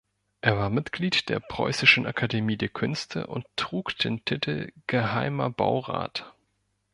Er war Mitglied der Preußischen Akademie der Künste und trug den Titel "Geheimer Baurat".